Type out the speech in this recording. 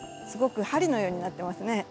すごく針のようになってますね。